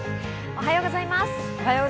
おはようございます。